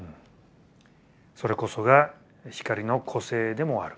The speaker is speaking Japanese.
それこそが光の個性でもある。